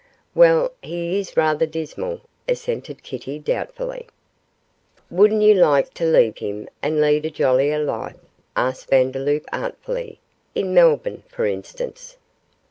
'Well, he is rather dismal,' assented Kitty, doubtfully. 'Wouldn't you like to leave him and lead a jollier life?' asked Vandeloup, artfully, 'in Melbourne, for instance.